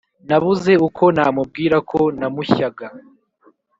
nabuze uko namubwira ko namushyaga